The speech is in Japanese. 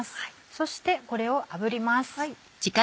そしてこれをあぶります。